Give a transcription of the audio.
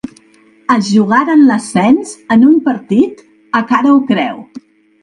Es jugaren l'ascens en un partit a cara o creu.